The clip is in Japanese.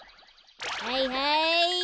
はいはい。